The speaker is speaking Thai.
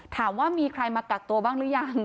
ถามว่ามีใครมากักตัวบ้างหรือยัง